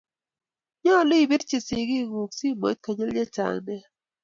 Inyalu ibirchi sigig ku simoit konyil kochanga nea